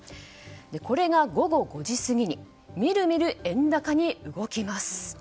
これが、午後５時過ぎにみるみる円高に動きます。